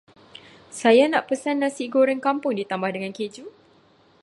Saya nak pesan Nasi goreng kampung ditambah dengan keju.